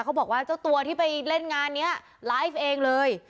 เขาบอกว่าเจ้าตัวที่ไปเล่นงานนี้ไลฟ์เองเลย